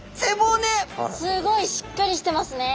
すごいしっかりしてますね。